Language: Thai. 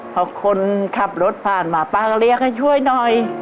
พอคนขับรถผ่านมาป้าก็เรียกให้ช่วยหน่อย